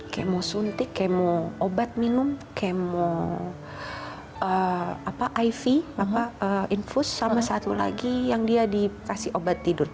kemo suntik kemo obat minum kemo iv infus sama satu lagi yang dia dikasih obat tidur